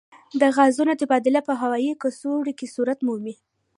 د غازونو تبادله په هوايي کڅوړو کې صورت مومي.